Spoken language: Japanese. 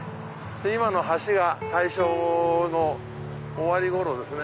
今の橋が大正の終わり頃ですね。